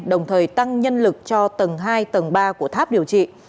đồng thời tăng nhân lực cho tầng hai tầng ba của tháp điều trị